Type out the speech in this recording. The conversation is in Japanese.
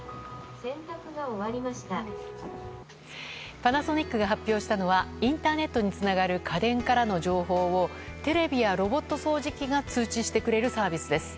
パナソニックが発表したのはインターネットにつながる家電からの情報をテレビやロボット掃除機が通知してくれるサービスです。